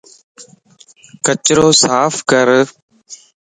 ڪچرو صاف ڪر